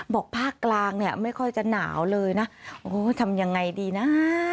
ภาคกลางเนี่ยไม่ค่อยจะหนาวเลยนะโอ้โหทำยังไงดีนะ